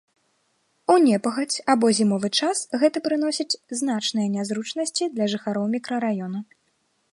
У непагадзь або зімовы час гэта прыносіць значныя нязручнасці для жыхароў мікрараёна.